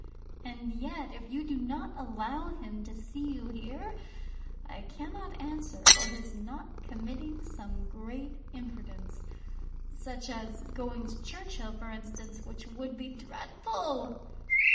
And yet, if you do not allow him to see you here, I cannot answer for his not committing some great imprudence—such as going to Churchhill, for instance, which would be dreadful!